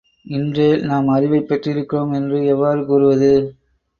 இன்றேல், நாம் அறிவைப் பெற்றிருக்கிறோம் என்று எவ்வாறு கூறுவது?